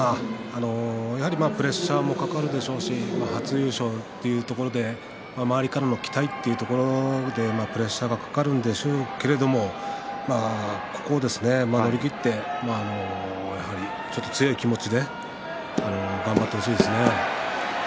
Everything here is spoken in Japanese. やはりプレッシャーもかかるでしょうし初優勝というところで周りからの期待というところでプレッシャーがかかるんでしょうけれどもまあここを乗り切って強い気持ちで頑張ってほしいですね。